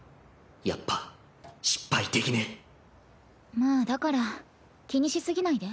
まあだから気にし過ぎないで。